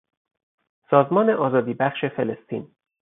سازمان آزادیبخش فلسطین